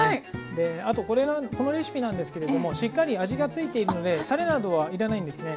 であとこのレシピなんですけれどもしっかり味が付いているのでたれなどは要らないんですね。